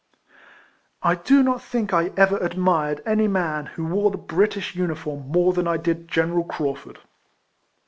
I do not think I ever admired any man who wore the British uniform more than I did General Craufurd.